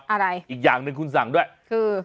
อะไรอีกอย่างหนึ่งคุณสั่งด้วยคือ